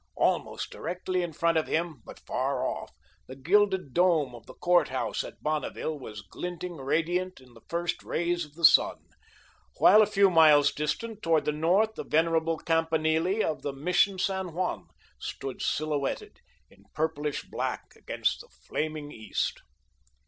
Almost directly in front of him, but far off, the gilded dome of the court house at Bonneville was glinting radiant in the first rays of the sun, while a few miles distant, toward the north, the venerable campanile of the Mission San Juan stood silhouetted in purplish black against the flaming east.